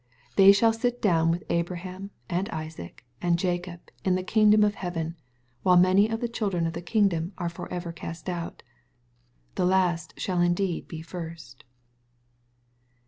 They shall sit down with Abraham, and Isaac, and Jacob in the kingdom of heaven, while many of the children of the kingdom are for ever cast out. " The last shall indeed be first."